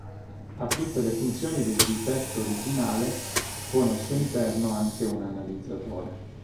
Ha tutte le funzioni del V-Pet originale, con al suo interno anche un analizzatore.